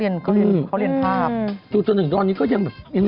ทำงานจนจนนึงดอนนี้ก็ยังหล่ออยู่เลย